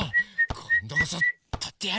こんどこそとってやる！